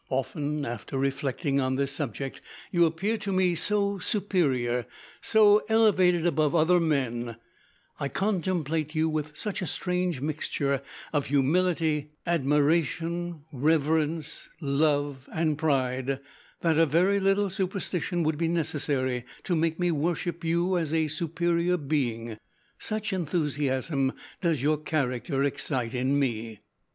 Often, after reflecting on this subject, you appear to me so superior, so elevated above other men I contemplate you with such a strange mixture of humility, admiration, reverence, love, and pride, that a very little superstition would be necessary to make me worship you as a superior being, such enthusiasm does your character excite in me.